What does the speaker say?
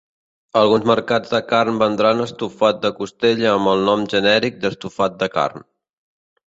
Alguns mercats de carn vendran estofat de costella amb el nom genèric d'estofat de carn.